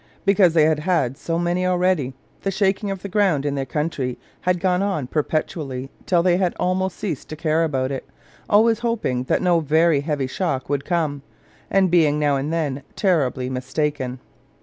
Because they had had so many already. The shaking of the ground in their country had gone on perpetually, till they had almost ceased to care about it, always hoping that no very heavy shock would come; and being, now and then, terribly mistaken.